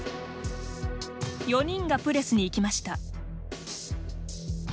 ４人がプレスに行きました。